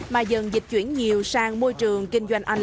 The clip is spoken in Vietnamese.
mà dần dịch chuyển nhiều sang môi trường kinh doanh online